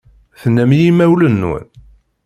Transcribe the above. Tennam i yimawlan-nwen?